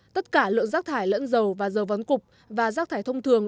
tất cả lượng rác thải lẫn dầu và dầu vón cục và rác thải thông thường